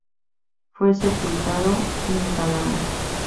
Fue sepultado en Calama.